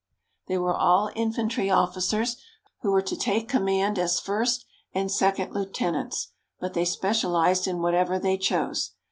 They were all infantry officers, who were to take command as first and second lieutenants, but they specialized in whatever they chose.